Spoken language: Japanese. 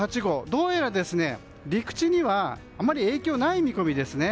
どうやら陸地にはあまり影響がない見込みです。